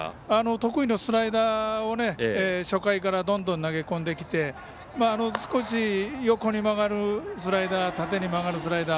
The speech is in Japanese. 得意のスライダーを初回からどんどん投げ込んできて少し横に曲がるスライダー縦に曲がるスライダー